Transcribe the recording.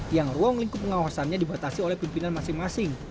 yang ruang lingkup pengawasannya dibatasi oleh pimpinan masing masing